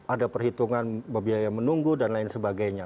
ada perhitungan biaya menunggu dan lain sebagainya